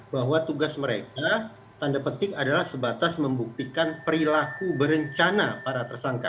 bahwa tugas mereka tanda petik adalah sebatas membuktikan perilaku berencana para tersangka